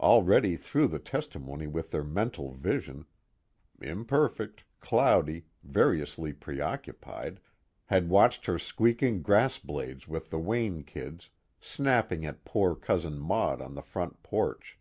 Already through the testimony their mental vision (imperfect, cloudy, variously preoccupied) had watched her squeaking grass blades with the Wayne kids, snapping at poor Cousin Maud on the front porch.